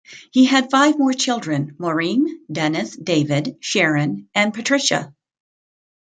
He had five more children, Maureen, Dennis, David, Sharon and Patricia.